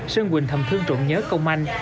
sơn quỳnh thầm thương trộn nhớ công anh